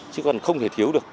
chứ còn không thể thiếu được